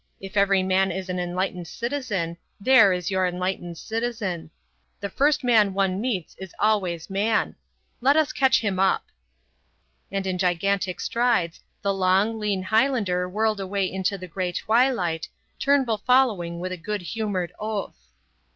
If every man is an enlightened citizen, there is your enlightened citizen. The first man one meets is always man. Let us catch him up." And in gigantic strides the long, lean Highlander whirled away into the grey twilight, Turnbull following with a good humoured oath.